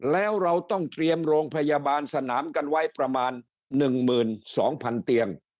แล้วเราต้องเตรียมโรงพยาบาลสนามกันไว้ประมาณหนึ่งหมื่นสองพันเตียง